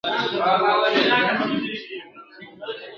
که وفا که یارانه ده دلته دواړه سودا کیږي !.